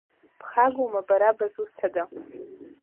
Бхагоума, бара, бызусҭада?